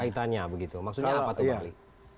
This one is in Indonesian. kaitannya begitu maksudnya apa tuh bang ali